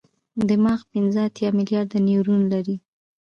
دماغ پنځه اتیا ملیارده نیورون لري.